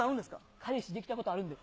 彼氏できたことあるんです。